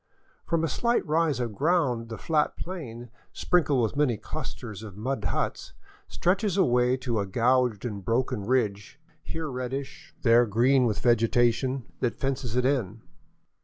From a slight rise of ground the flat plain, sprinkled with many clusters of mud huts, stretches away to a gouged and broken ridge, here reddish, there green with vegetation, that fences it in.